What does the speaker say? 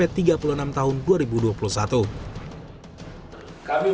kami meminta pemerintah untuk mengubah pengupahan di jawa timur ini